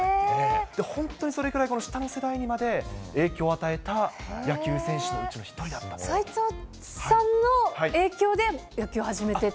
本当にそれくらい下の世代にまで影響を与えた野球選手のうちの一斎藤さんの影響で野球を始めてっていう？